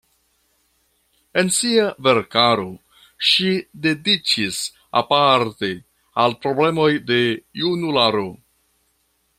En sia verkaro ŝi dediĉis aparte al problemoj de junularo.